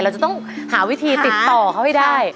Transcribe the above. เราจะต้องหาวิธีติดต่อเขาให้ได้